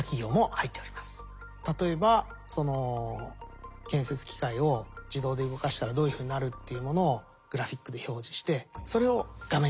例えば建設機械を自動で動かしたらどういうふうになるっていうものをグラフィックで表示してそれを画面に提示すると。